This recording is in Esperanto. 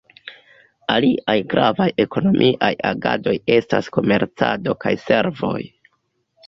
Aliaj gravaj ekonomiaj agadoj estas komercado kaj servoj.